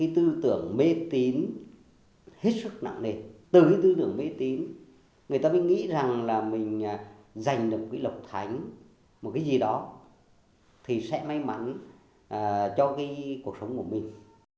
tư tưởng mê tín hết sức nặng nề từ tư tưởng mê tín người ta mới nghĩ rằng là mình giành được lập thánh một cái gì đó thì sẽ may mắn cho cuộc sống của mình